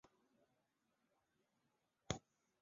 在踏入政坛之前他是每日电讯报的科技编辑。